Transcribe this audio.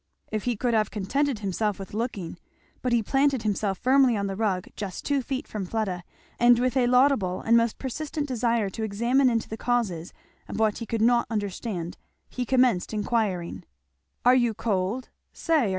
If he could have contented himself with looking! but he planted himself firmly on the rug just two feet from Fleda, and with a laudable and most persistent desire to examine into the causes of what he could not understand he commenced inquiring, "Are you cold? say!